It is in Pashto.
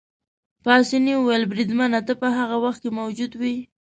پاسیني وویل: بریدمنه، ته په هغه وخت کې موجود وې؟